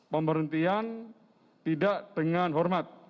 pemberhentian tidak dengan hormat